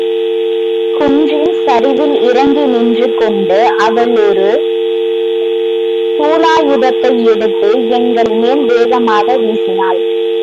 குன்றின் சரிவில் இறங்கி நின்று கொண்டு அவள் ஒரு சூலாயுதத்தை எடுத்து எங்கள் மேல் வேகமாக வீசினாள்.